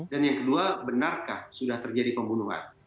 dan yang kedua benarkah sudah terjadi pembunuhan